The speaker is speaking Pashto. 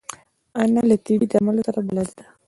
انا له طبیعي درملو سره بلد ده